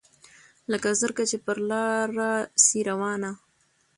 لکه زرکه چي پر لاره سي روانه